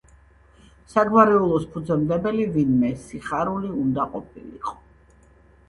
საგვარეულოს ფუძემდებელი ვინმე „სიხარული“ უნდა ყოფილიყო.